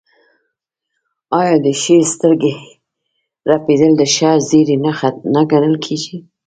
آیا د ښي سترګې رپیدل د ښه زیری نښه نه ګڼل کیږي؟